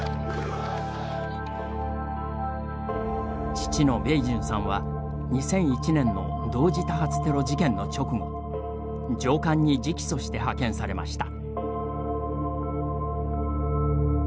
父のベイジュンさんは２００１年の同時多発テロ事件の直後上官に直訴して派遣されました。